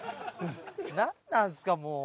何なんすかもう。